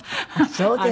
そうですか。